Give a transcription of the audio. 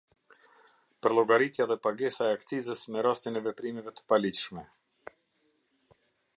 Përllogaritja dhe pagesa e akcizës me rastin e veprimeve të paligjshme.